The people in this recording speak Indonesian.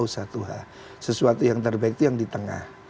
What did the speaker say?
sesuatu yang terbaik itu yang di tengah